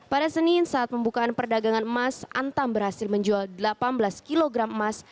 pada senin saat pembukaan perdagangan emas antam berhasil menjual delapan belas kg emas